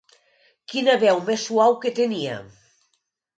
Quina veu més suau que tenia!